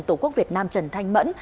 tổ quốc việt nam trần thanh mẫn